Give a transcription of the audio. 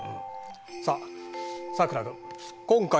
さあさくら君